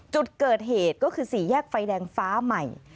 จุดเกิดเหตุก็คือสี่แยกไฟแดงฟ้าใหม่